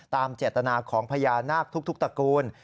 เจตนาของพญานาคทุกตระกูล